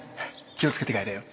気を付けて帰れよ。